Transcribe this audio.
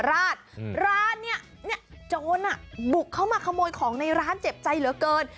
ก่อนศรีธรรมราชร้านนี้โจรบุกเข้ามาขโมยของในร้านเจ็บใจเหลือเกิน